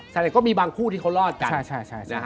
เสร็จก็มีบางคู่ที่เขารอดกัน